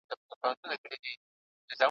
دوکان دوک دی یا کان دی ,